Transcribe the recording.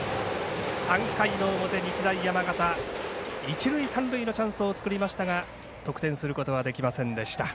３回の表、日大山形一塁、三塁のチャンスを作りましたが得点することはできませんでした。